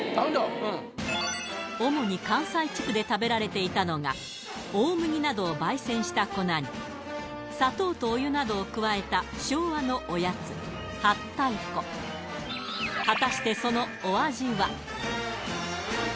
主に関西地区で食べられていたのが大麦などを焙煎した粉に砂糖とお湯などを加えた昭和のおやつはったい粉色が。